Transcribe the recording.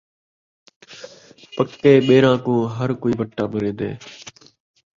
پکے ٻیراں کوں ہر کئی وٹے مریندے